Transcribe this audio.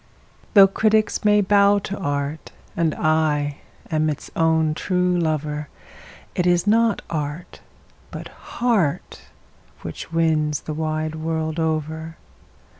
Though critics may bow to art, and I am its own true lover, It is not art, but heart, which wins the wide world over.